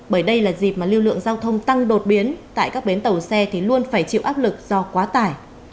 bởi đây là dịp mà lưu lượng giao thông tăng đột biến tại các bến tàu xe thì luôn phải chịu áp lực do quá tải